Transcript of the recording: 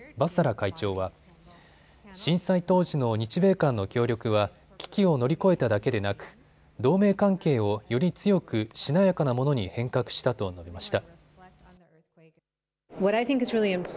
会長は震災当時の日米間の協力は危機を乗り越えただけでなく同盟関係をより強くしなやかなものに変革したと述べました。